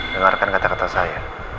dengarkan kata kata saya